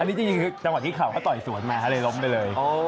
อันนี้จริงคือจังหวะที่เข่าเขาต่อยสวนมาเลยล้มไปเลย